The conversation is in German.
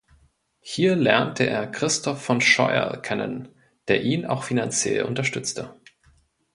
Hier lernte er Christoph von Scheurl kennen, der ihn auch finanziell unterstützte.